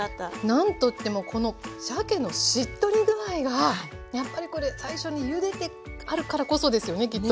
なんといってもこのしゃけのしっとり具合がやっぱりこれ最初にゆでてあるからこそですよねきっと。